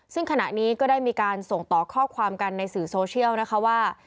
ซึ่งขณะนี้ก็ได้มีการส่งต่อข้อความกันในสื่อโซเชียลนะคะว่า